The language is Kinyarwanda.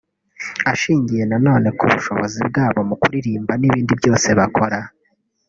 Ashingiye na none kubushobozi bwabo mu kuririmba n’ibindi byose bakora